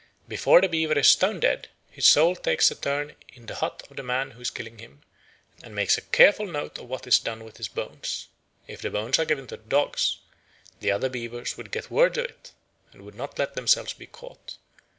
Before the beaver is stone dead, his soul takes a turn in the hut of the man who is killing him and makes a careful note of what is done with his bones. If the bones are given to the dogs, the other beavers would get word of it and would not let themselves be caught.